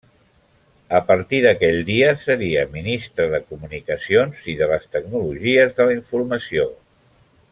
A partir d'aquell dia seria Ministre de Comunicacions i de les Tecnologies de la Informació.